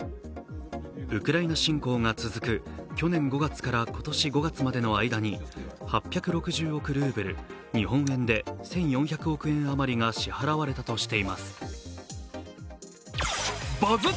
ウクライナ侵攻が続く去年５月から今年５月までの間に８６０億ルーブル＝日本円で１４００億円余りが支払われたとしています。